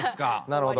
なるほど。